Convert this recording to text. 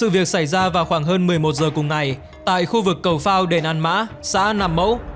việc xảy ra vào khoảng hơn một mươi một giờ cùng ngày tại khu vực cầu phao đền an mã xã nam mẫu